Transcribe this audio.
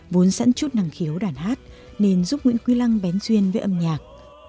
vốn sẵn chút năng khiếu đàn hát nên giúp nguyễn quý lăng bén duyên với âm nhạc